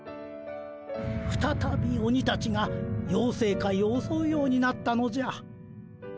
ふたたび鬼たちがようせい界をおそうようになったのじゃ。